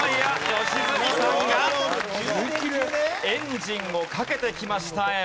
エンジンをかけてきました。